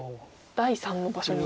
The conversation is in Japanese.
第３の場所に。